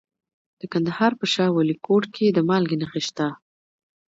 د کندهار په شاه ولیکوټ کې د مالګې نښې شته.